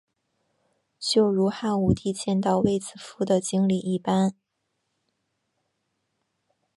就如汉武帝见到卫子夫的经历一般。